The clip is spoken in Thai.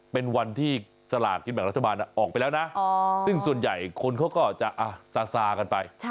เป็นวันที่สลากกินแบ่งรัฐบาลออกไปแล้วนะซึ่งส่วนใหญ่คนเขาก็จะซาซากันไป